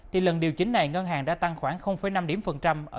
thì lần điều chỉnh này ngân hàng đã tăng khoảng năm điểm phần trăm